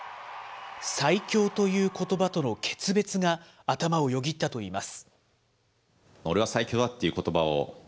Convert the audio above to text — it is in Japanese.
最強ということばとの決別が頭をよぎったといいます。